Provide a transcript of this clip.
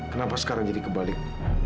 kenapa sekarang jadi kebalik